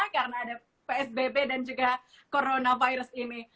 karena ada psbb dan juga coronavirus ini